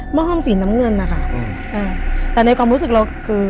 ้อห้อมสีน้ำเงินนะคะอืมอ่าแต่ในความรู้สึกเราคือ